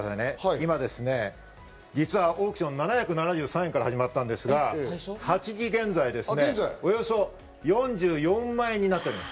今、実はオークション７７３円から始まったんですが、８時現在、およそ４４万円になっています。